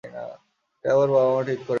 এটা আপনার বাবা-মা ঠিক করেননি।